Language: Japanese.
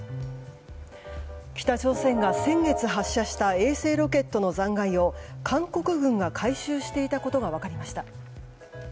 北朝鮮が先月、発射した衛星ロケットの残骸を韓国軍が回収していたことが分かりました。